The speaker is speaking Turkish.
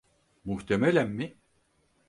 Muhtemelen mi?